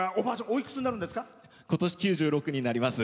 おいくつになるんですか？